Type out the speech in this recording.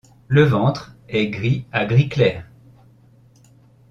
Le ventre est gris à gris clair.